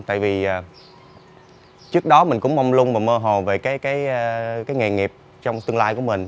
tại vì trước đó mình cũng mong luôn và mơ hồ về cái nghề nghiệp trong tương lai của mình